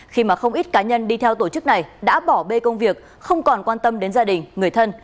khi mà không ít cá nhân đi theo tổ chức này đã bỏ bê công việc không còn quan tâm đến gia đình người thân